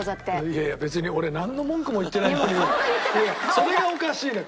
それがおかしいのよ！